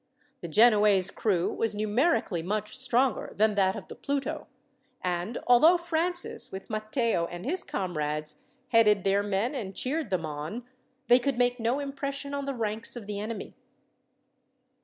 The Genoese crew was numerically much stronger than that of the Pluto, and although Francis, with Matteo and his comrades, headed their men and cheered them on, they could make no impression on the ranks of the enemy.